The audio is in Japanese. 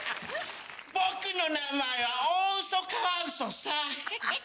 僕の名前はオオウソカワウソさハハハ！